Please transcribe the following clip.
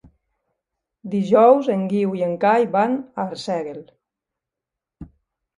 Dijous en Guiu i en Cai van a Arsèguel.